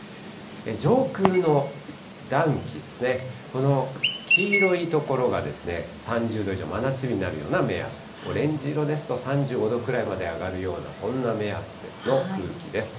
上空の暖気ですね、この黄色い所が３０度以上、真夏日になるような目安、オレンジ色ですと、３５度くらいまで上がるような、そんな目安の空気です。